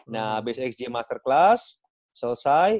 nah abis xg masterclass selesai